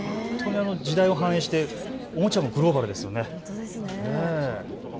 時代を反映して、おもちゃもグローバルですよね。